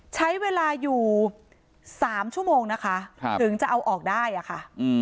ใช้เวลาอยู่๓ชั่วโมงนะคะถึงจะเอาออกได้อะค่ะ